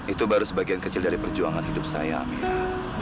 itu baru sebagian kecil dari perjuangan hidup saya amir